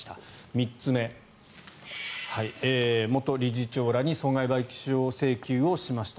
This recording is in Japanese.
３つ目、元理事長らに損害賠償請求をしました。